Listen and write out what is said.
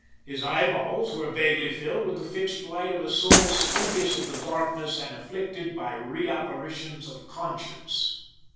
His eyeballs were vaguely filled with the fixed light of a soul studious of the darkness and afflicted by reapparitions of conscience.